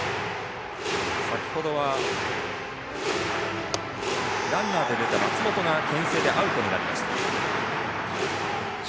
先ほど、ランナーで出た松本がけん制でアウトになりました。